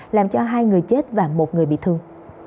làm cho hai người chết và một người bị thương